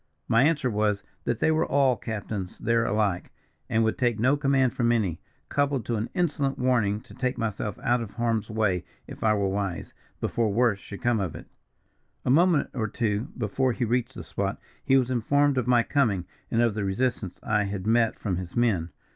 My answer was, that they were all captains there alike, and would take no command from any, coupled to an insolent warning to take myself out of harm's way if I were wise, before worse should come of it. "A moment or two before he reached the spot, he was informed of my coming, and of the resistance I had met from his men.